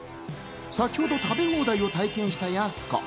先ほど食べ放題を体験したやす子。